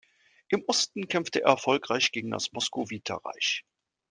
Im Osten kämpfte er erfolgreich gegen das Moskowiter Reich.